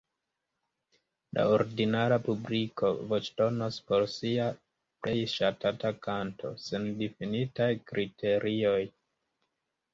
La ordinara publiko voĉdonos por sia plej ŝatata kanto, sen difinitaj kriterioj.